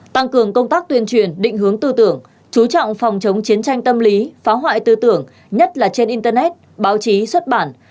tăng cường công tác tuyên truyền định hướng tư tưởng chú trọng phòng chống chiến tranh tâm lý phá hoại tư tưởng nhất là trên internet báo chí xuất bản